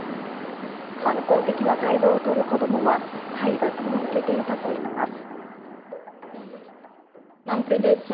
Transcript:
反抗的な態度を取る子どもは、体罰も受けていたといいます。